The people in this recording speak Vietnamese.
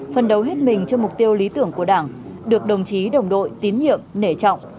phân đấu hết mình cho mục tiêu lý tưởng của đảng được đồng chí đồng đội tín nhiệm nể trọng